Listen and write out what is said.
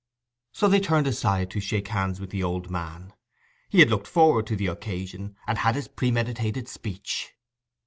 So they turned aside to shake hands with the old man. He had looked forward to the occasion, and had his premeditated speech.